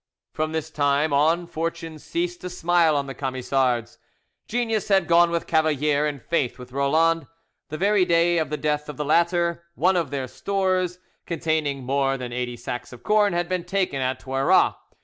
From this time on fortune ceased to smile on the Camisards. Genius had gone with Cavalier, and, faith with Roland. The very day of the death of the latter, one of their stores, containing more than eighty sacks of corn, had been taken at Toiras.